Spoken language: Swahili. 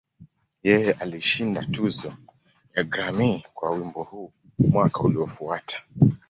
Yeye alishinda tuzo ya Grammy kwa wimbo huu mwaka uliofuata.